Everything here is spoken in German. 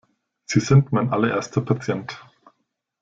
Sie sind mein allererster Patient.